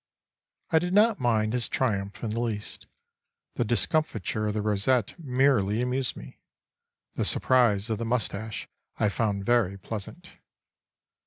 I did not mind his triumph in the least. The discomfiture of the rosette merely amused me. The surprise of the moustache I found very pleasant.